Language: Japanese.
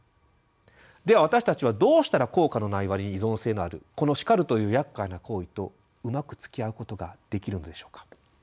では私たちはどうしたら効果のない割に依存性のあるこの「叱る」というやっかいな行為とうまくつきあうことができるのでしょうか。